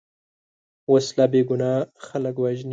وسله بېګناه خلک وژني